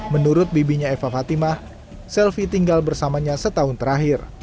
menurut bibinya eva fatimah selvi tinggal bersamanya setahun terakhir